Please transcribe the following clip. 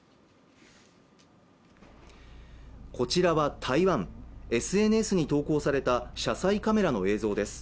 こちらは台湾ＳＮＳに投稿された車載カメラの映像です